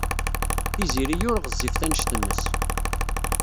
Tiziri ur ɣezzifet anect-nnes.